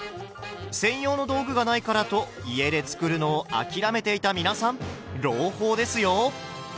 専用の道具がないからと家で作るのを諦めていた皆さん朗報ですよ！